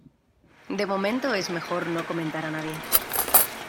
de momento es mejor no comentar nada a nadie